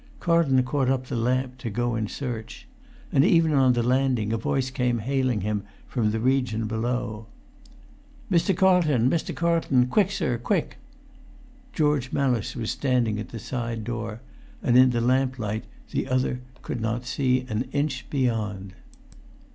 Carlton caught up the lamp to go in search. And even on the landing a voice came hailing him from the region below. "Mr. Carlton! Mr. Carlton! Quick, sir, quick!" George Mellis was still at the side door, and in the lamplight the other could not see an inch beyond.